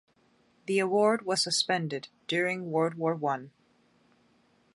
The award was suspended during World War One.